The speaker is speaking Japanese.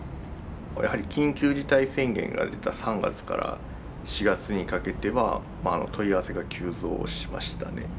やはり緊急事態宣言が出た３月から４月にかけては問い合わせが急増しましたね。